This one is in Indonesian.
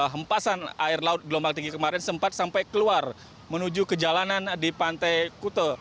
hempasan air laut gelombang tinggi kemarin sempat sampai keluar menuju ke jalanan di pantai kute